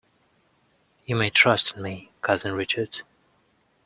You may trust in me, cousin Richard.